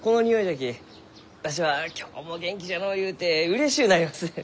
わしは今日も元気じゃのうゆうてうれしゅうなります。